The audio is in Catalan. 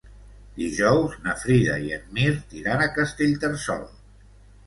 Dijous na Frida i en Mirt iran a Castellterçol.